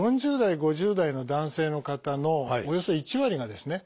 ４０代５０代の男性の方のおよそ１割がですね